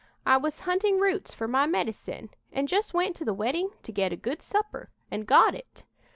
I was hunting roots for my medicine and just went to the wedding to get a good supper and got it.